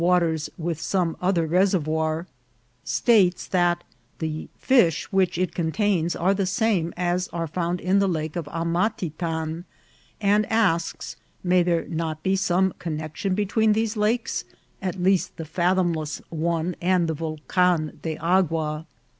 waters with some other reservoir, states that the " fish which it contains are the same as are found in the Lake of Amatitan," and asks, " May there not be some con nexion between these lakes, at least the fathomless one, and the Volcan de Agua